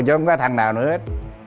chứ không có thằng nào nữa hết